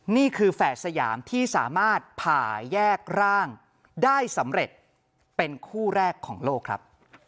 แฝดสยามที่สามารถผ่าแยกร่างได้สำเร็จเป็นคู่แรกของโลกครับ